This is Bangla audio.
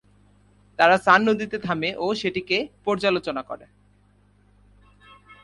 তারা সান নদীতে থামে ও সেটিকে পর্যালোচনা করে।